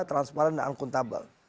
transparen dan akuntabel